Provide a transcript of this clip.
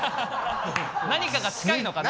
何かが近いのかな。